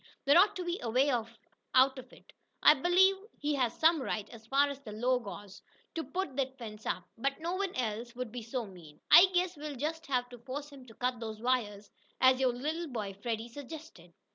There ought to be a way out of it. I believe he has the right, as far as the law goes, to put that fence up, but no one else would be so mean. I guess we'll just have to force him to cut those wires, as your little boy, Freddie, suggested."